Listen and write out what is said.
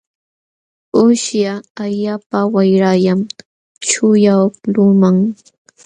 Śhllqa allpa wayrallam śhullwaqlunman.